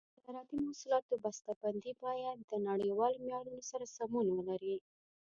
د زراعتي محصولاتو بسته بندي باید د نړیوالو معیارونو سره سمون ولري.